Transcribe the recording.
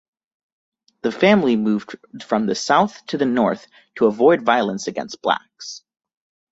The family moved from the South to the North to avoid violence against blacks.